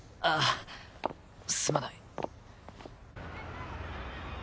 ああすまない。